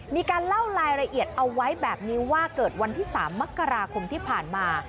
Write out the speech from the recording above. มีการเล่ารายละเอียดเอาไว้แบบนี้ว่าเกิดวันที่๓มกราคมที่ผ่านมา